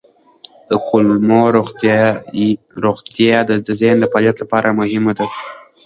د کولمو روغتیا د ذهني فعالیت لپاره مهمه ده.